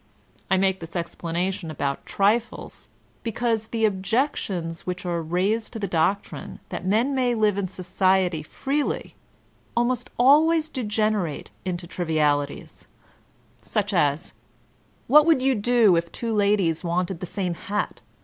I make this explanation about trifles^ because the ob jections which are raised to the doctrine that men may Uve in society freely, almost always d^;enerate into trivi alities» — such as, ''what would you do if two ladies wanted the same hat?"